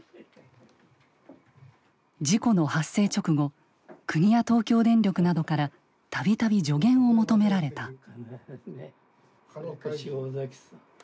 事故の発生直後国や東京電力などから度々助言を求められた。